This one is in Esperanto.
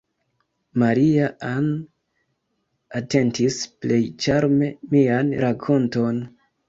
Maria-Ann atentis plej ĉarme mian rakonton.